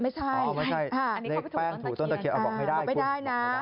ไม่ใช่อันนี้เข้าไปถูกต้นตะเคียนบอกให้ได้คุณไม่ได้